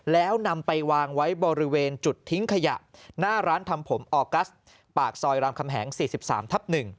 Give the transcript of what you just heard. แล้วนำไปวางไว้บริเวณจุดทิ้งขยะหน้าร้านทำผมออกัสปากซอยรามคำแหง๔๓ทับ๑